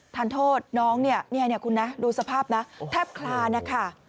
ทานโทษน้องเนี่ยคุณนะดูสภาพนะแทบคลานนะคะ